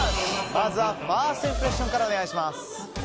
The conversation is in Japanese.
まずはファーストインプレッションからお願いします。